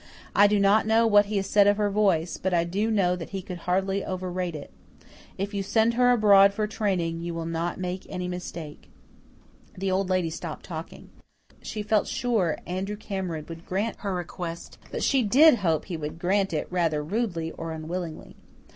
I do not know what he has said of her voice, but I do know he could hardly overrate it. If you send her abroad for training, you will not make any mistake." The Old Lady stopped talking. She felt sure Andrew Cameron would grant her request, but she did hope he would grant it rather rudely or unwillingly.